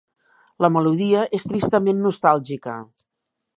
La melodia és tristament nostàlgica.